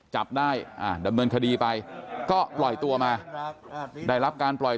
จับได้ดำเนินคดีไปก็ปล่อยตัวมาได้รับการปล่อย